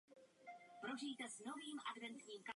Poradním orgánem ministra obrany je Rada obrany.